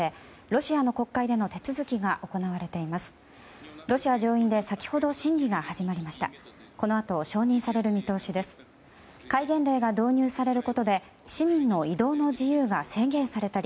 ロシア上院で先ほど、審議が始まりました。